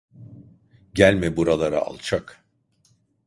Gelme buralara alçak…